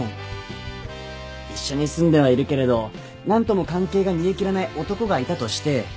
一緒に住んではいるけれど何とも関係が煮え切らない男がいたとして。